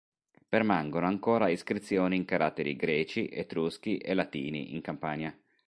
Permangono ancora iscrizioni in caratteri greci, etruschi e latini in Campania.